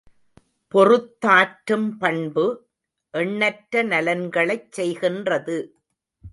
பொறுத்தாற்றும் பண்பு, எண்ணற்ற நலன்களைச் செய்கின்றது.